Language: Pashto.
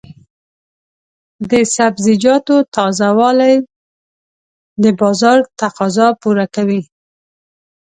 د سبزیجاتو تازه والي د بازار تقاضا پوره کوي.